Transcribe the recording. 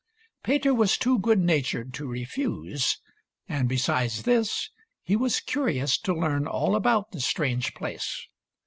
Peter was too good natured to refuse, and besides this he was curious to learn all about the strange place.